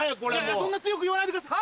そんな強く言わないでください。